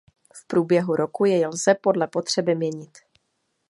V průběhu roku jej lze podle potřeby měnit.